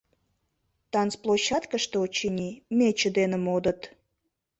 Танцплощадкыште, очыни, мече дене модыт.